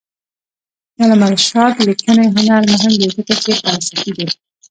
د علامه رشاد لیکنی هنر مهم دی ځکه چې فلسفي دی.